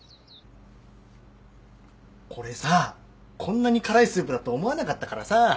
これさこんなに辛いスープだと思わなかったからさ。